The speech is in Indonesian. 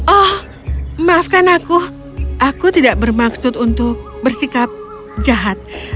oh maafkan aku aku tidak bermaksud untuk bersikap jahat